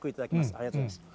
ありがとうございます。